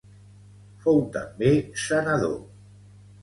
Fou també senador.